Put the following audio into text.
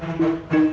bukan mau jual tanah